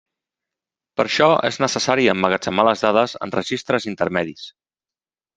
Per això és necessari emmagatzemar les dades en registres intermedis.